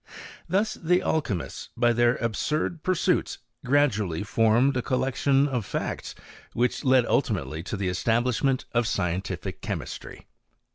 Thus the alchymists, by J their absurd pursuits, gradually formed a collection of I facts, which led ultimately to the establishment of scientific chemistry.